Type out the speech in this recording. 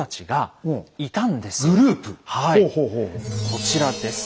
こちらです。